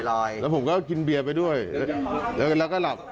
แล้วผมก็กินเบียร์ไปด้วยแล้วก็หลับ